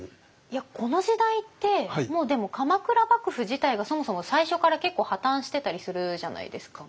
いやこの時代ってもうでも鎌倉幕府自体がそもそも最初から結構破綻してたりするじゃないですかずるずると。